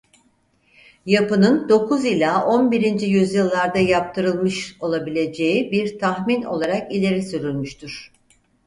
Yapının dokuz ila on birinci yüzyıllarda yaptırılmış olabileceği bir tahmin olarak ileri sürülmüştür.